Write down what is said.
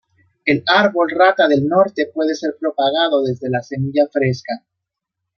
El árbol rata del norte puede ser propagado desde la semilla fresca.